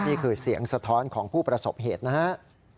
นี่คือเสียงสะท้อนของผู้ประสบเหตุนะครับ